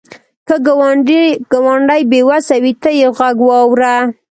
که ګاونډی بې وسه وي، ته یې غږ واوره